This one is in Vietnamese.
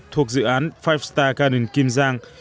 thuộc dự án năm star garden kingdom